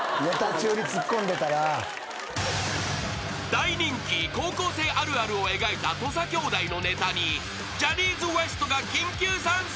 ［大人気高校生あるあるを描いた土佐兄弟のネタにジャニーズＷＥＳＴが緊急参戦］